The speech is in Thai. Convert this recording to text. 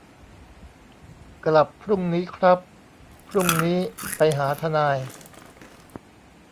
กลับพรุ่งนี้ครับ พรุ่งนี้ไปหาทนาย